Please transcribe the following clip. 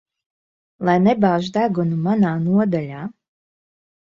Lai nebāž degunu manā nodaļā.